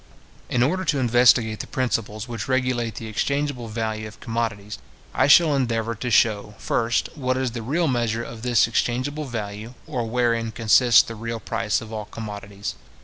In order to investigate the principles which regulate the exchangeable value of commodities, I shall endeavour to shew, First, what is the real measure of this exchangeable value; or wherein consists the real price of all commodities.